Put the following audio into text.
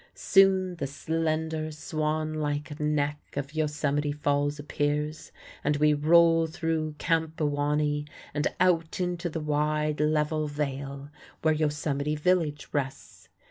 Soon the slender, swanlike neck of Yosemite Falls appears, and we roll through Camp Awahnee and out into the wide, level vale where Yosemite Village rests.